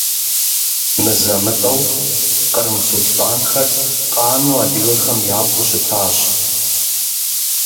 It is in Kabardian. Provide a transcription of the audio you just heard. Мызэ-мытӀэу кърым сулътӀанхэр къану адыгэхэм япӀу щытащ.